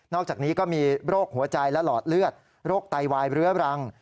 อกจากนี้ก็มีโรคหัวใจและหลอดเลือดโรคไตวายเรื้อรัง